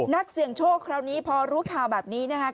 นักเสี่ยงโชคคราวนี้พอรู้ข่าวแบบนี้นะครับ